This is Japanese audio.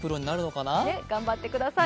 頑張ってください。